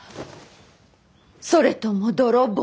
それとも泥棒？